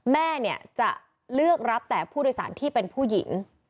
แม่เนี่ยจะเลือกรับแต่ผู้โดยสารที่เป็นผู้หญิง